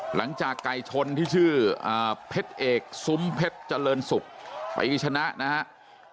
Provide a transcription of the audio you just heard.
หลังจากไก่ชนที่ชื่อเพชรเอกซุ้มเพชรเจริญศุกร์ปีชนะนะครับ